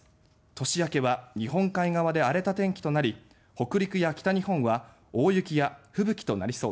年明けは日本海側で荒れた天気となり北陸や北日本は大雪や吹雪となりそうです。